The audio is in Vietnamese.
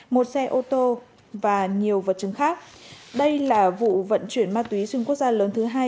một xe ô tô và nhiều vật chứng khác đây là vụ vận chuyển ma túy xuyên quốc gia lớn thứ hai